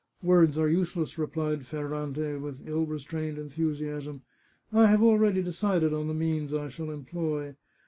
" Words are useless," replied Ferrante, with ill restrained enthusiasm. " I have already decided on the means I shall employ.